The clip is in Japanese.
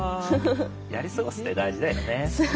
やり過ごすって大事だよね。